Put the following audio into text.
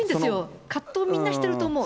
葛藤、みんなしてると思う。